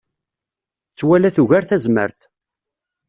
Ttwala tugar tazmert.